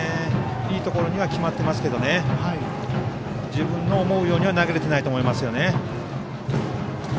いいところには決まってますけど自分の思うようには投げれてないと思います。